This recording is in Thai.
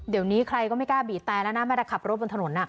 เดี๋ยวนี้ใครก็ไม่กล้าบีบแต่แล้วนะไม่ได้ขับรถบนถนน